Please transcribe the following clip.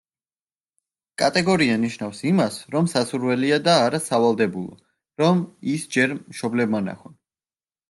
კატეგორია ნიშნავს იმას, რომ სასურველია და არა სავალდებულო, რომ ის ჯერ მშობლებმა ნახონ.